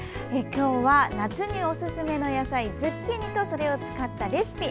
今日は夏におすすめの野菜ズッキーニとそれを使ったレシピ。